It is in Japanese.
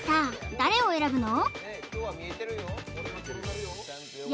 誰を選ぶの？